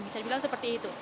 bisa dibilang seperti itu